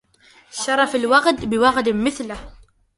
شرف الوغد بوغد مثله